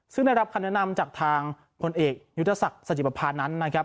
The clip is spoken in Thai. ซึ่งได้รับคำแนะนำจากทางคนเอกยุทธศักดิ์สัจจิปราณนั้น